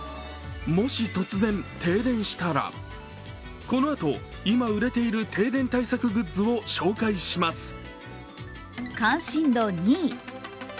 もし突然、停電したらこのあと今売れている停電対策グッズを紹介します。